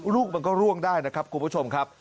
ลูกมันก็ร่วงได้นะครับคุณผู้ชมครับ